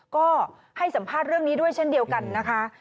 ก็ให้สัมภาษณ์เรื่องนี้ด้วยเช่นเดียวกันนะคะ